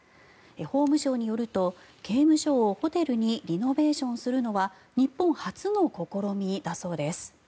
法務省によると、刑務所をホテルにリノベーションするのは日本初の試みだそうです。